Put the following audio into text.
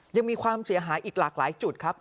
ยังมีความเสียหายอีกหลากหลายจุดครับ